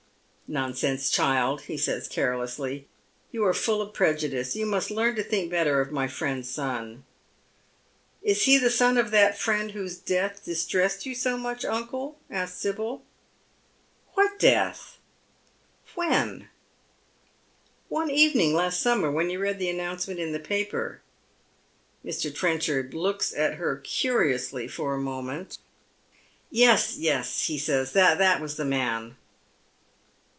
" Nonsense, child !" he says carelessly. You are full of prejudice. You must learn to think better of my friend's son." " Is he the son of that friend whose death distressed you ao much, uncle ?" asks Sibyl. "What death? WheB?" sitter Atmoncla. 241 " One evening last summer, when you read tlie announcement tn the paper." Mr. Trenchard looks at her curiously for a moment. " Yes, yes," he says, " that was the man."